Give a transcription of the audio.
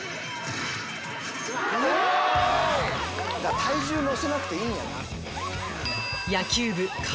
体重乗せなくていいんやな。